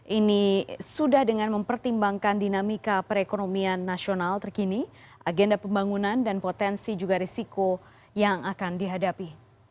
ini sudah dengan mempertimbangkan dinamika perekonomian nasional terkini agenda pembangunan dan potensi juga risiko yang akan dihadapi